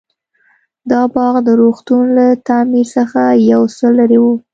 دا باغ د روغتون له تعمير څخه يو څه لرې و.